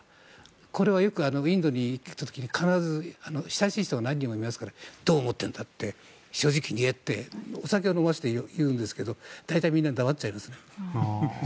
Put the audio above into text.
これはよくインドに行った時に親しい人が何人もいますからどう思っているんだって正直に言えってお酒を飲ませて言うんですけど大体みんな黙っちゃいますね。